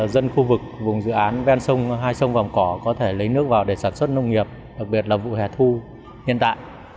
dân khu vực vùng dự án ven sông hai sông vòng cỏ có thể lấy nước vào để sản xuất nông nghiệp đặc biệt là vụ hẻ thu hiện tại